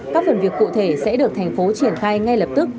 các phần việc cụ thể sẽ được thành phố triển khai ngay lập tức